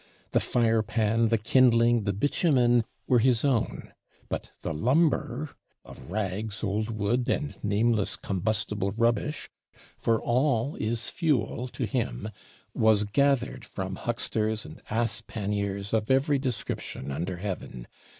The fire pan, the kindling, the bitumen, were his own; but the lumber, of rags, old wood, and nameless combustible rubbish (for all is fuel to him), was gathered from hucksters and ass panniers of every description under heaven.